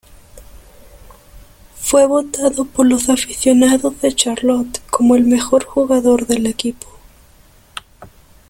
Fue votado por los aficionados de Charlotte como el mejor jugador del equipo.